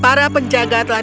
para penjaga telah